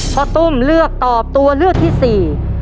ตุ้มเลือกตอบตัวเลือกที่สี่